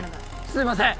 すみません！